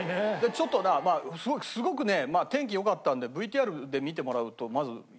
ちょっとねまあすごくね天気良かったんでＶＴＲで見てもらうとまずいいかな。